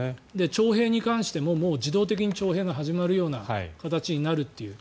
徴兵に関しても自動的に徴兵が始まるような形になるという。